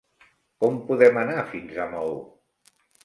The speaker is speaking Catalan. Com podem anar fins a Maó?